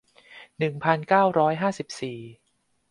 หนึ่งพันเก้าร้อยห้าสิบสี่